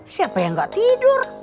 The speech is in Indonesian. siapa yang enggak tidur